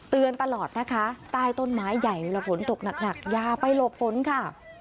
เตือนตลอดนะคะใต้ต้นไม้ใหญ่เวลาฝนตกหนักอย่าไปหลบฝนค่ะ